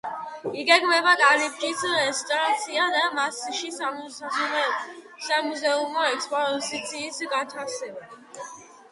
იგეგმება კარიბჭის რესტავრაცია და მასში სამუზეუმო ექსპოზიციის განთავსება.